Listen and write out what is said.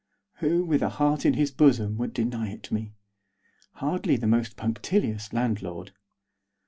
Who, with a heart in his bosom, would deny it me? Hardly the most punctilious landlord.